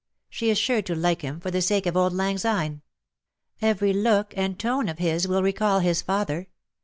She is sure to like him, for the sake of Auld Lang Syne. Every look and tone of his will recall his father.